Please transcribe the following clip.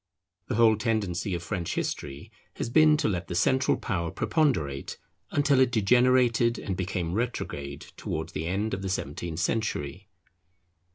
The whole tendency of French history has been to let the central power preponderate, until it degenerated and became retrograde towards the end of the seventeenth century.